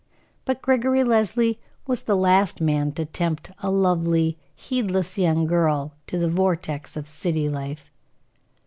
But Gregory Leslie was the last man to tempt a lovely, heedless young girl to the vortex of city life.